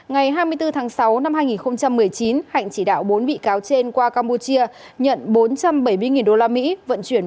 ngày hai mươi bốn tháng sáu năm hai nghìn một mươi chín hạnh chỉ đạo bốn bị cáo trên qua campuchia nhận bốn trăm bảy mươi usd vận chuyển